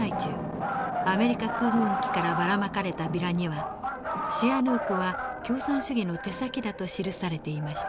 アメリカ空軍機からばらまかれたビラにはシアヌークは共産主義の手先だと記されていました。